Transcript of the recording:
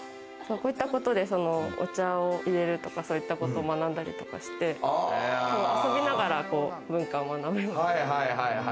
こういったことで、お茶を入れるとか、そういったことを学んだりとかして、遊びながら文化を学ぶ。